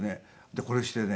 これしてね